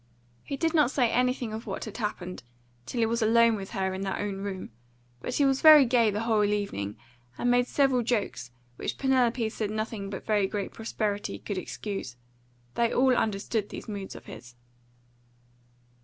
He did not say anything of what had happened till he was alone with her in their own room; but he was very gay the whole evening, and made several jokes which Penelope said nothing but very great prosperity could excuse: they all understood these moods of his.